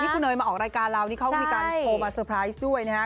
ที่คุณเนยมาออกรายการราวนี้เขาก็มีการโฟร์มาเซอร์ไพรส์ด้วยนะฮะ